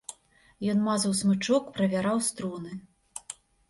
Ён мазаў смычок, правяраў струны.